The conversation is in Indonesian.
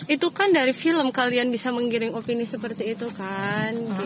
itu kan dari film kalian bisa menggiring opini seperti itu kan